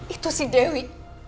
itu si dewi